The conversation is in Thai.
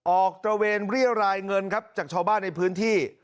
ตระเวนเรียรายเงินครับจากชาวบ้านในพื้นที่